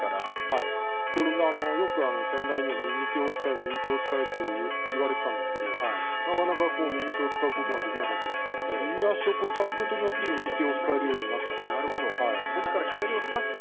よく先代にも右手を使え、右手を使えと言われていたんですがなかなか右手を使えることができなくて右足を使うことによって右手を使うことができるようになったんです。